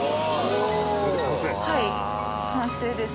はい完成です。